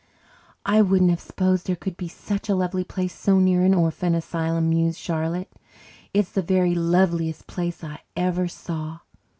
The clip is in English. "I wouldn't have s'posed there could be such a lovely place so near an orphan asylum," mused Charlotte. "It's the very loveliest place I ever saw.